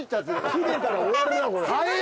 切れたら終わるなこれ！